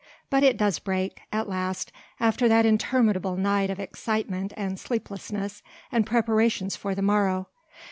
But it does break at last after that interminable night of excitement and sleeplessness and preparations for the morrow.